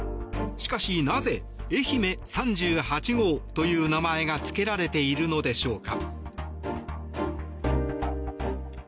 しかし、なぜ愛媛３８号という名前がつけられているのでしょうか。